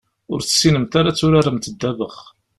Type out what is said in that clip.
Ur tessinemt ara ad turaremt ddabex.